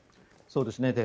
そうですね。